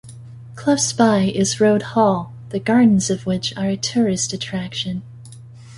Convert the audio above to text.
Close by is Rode Hall, the gardens of which are a tourist attraction.